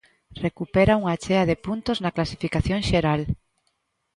Recupera unha chea de puntos na clasificación xeral.